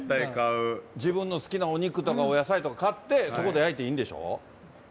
自分の好きなお肉とか、お野菜とかを買って、そこで焼いていいんでしょ。